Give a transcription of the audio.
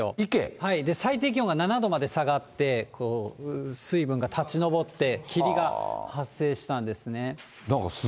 最低気温が７度まで下がって、水分が立ち上って、霧が発生したんですね。